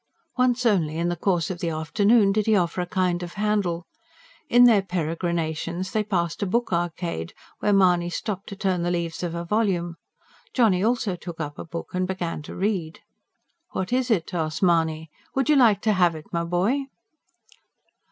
Once only in the course of the afternoon did he offer a kind of handle. In their peregrinations they passed a Book Arcade, where Mahony stopped to turn the leaves of a volume. Johnny also took up a book, and began to read. "What is it?" asked Mahony. "Would you like to have it, my boy?"